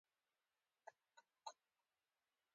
دوی ډېر فکري مبحثونه چې اختلافي دي، ممنوعه اعلان کړي دي